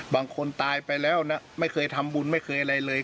บางคนตายไปแล้วนะไม่เคยทำบุญไม่เคยอะไรเลย